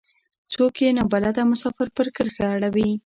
څوک يې نا بلده مسافر پر کرښه اړوي.